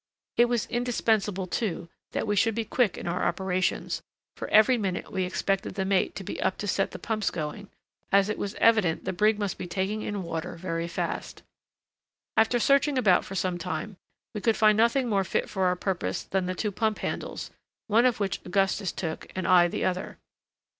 It was indispensable, too, that we should be quick in our operations, for every minute we expected the mate to be up to set the pumps going, as it was evident the brig must be taking in water very fast. After searching about for some time, we could find nothing more fit for our purpose than the two pump handles, one of which Augustus took, and I the other.